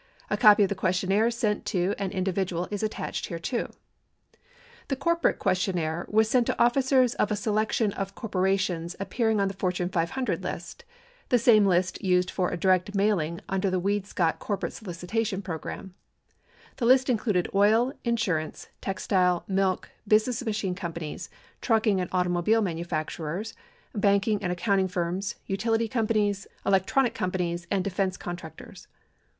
A copy of the questionnaire sent to an indi vidual is attached hereto. The corporate questionnaire was sent to officers of a selection of cor porations appearing on the "Fortune 500" list — the same list used for a direct mailing under the Weed Scott corporate solicitation pro gram." The list included oil, insurance, textile, milk, business machine companies, trucking and automobile manufacturers, banking and accounting firms, utility companies, electronic companies, and defense contractors.